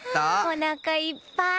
おなかいっぱい。